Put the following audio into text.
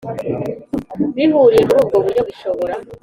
Bihuriye Muri Ubwo Buryo Bishobora